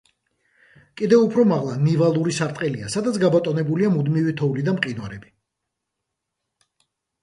კიდევ უფრო მაღლა ნივალური სარტყელია, სადაც გაბატონებულია მუდმივი თოვლი და მყინვარები.